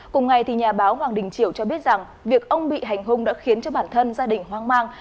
cùng ngày thì nhà báo hoàng đình triều cho biết rằng việc ông bị hành hung đã khiến cho bản thân gia đình hoang mang